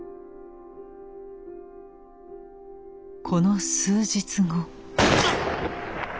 この数日後。